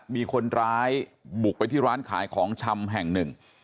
มีคนร้ายบุกไปที่ร้านขายของชำแห่งหนึ่ง